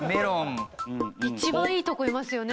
一番いいとこいますよね